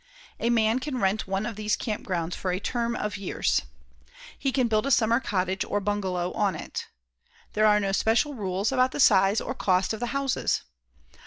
A man can rent one of these camp grounds for a term of years. He can build a summer cottage or bungalow on it. There are no special rules about the size or cost of the houses.